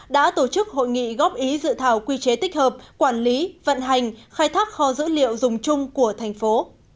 đã tổ chức hội nghị góp ý dự thảo quy chế tích hợp quản lý vận hành khai thác kho dữ liệu dùng chung của thành phố